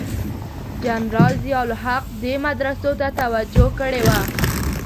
جنرال ضیأ الحق دې مدرسو ته توجه کړې وه.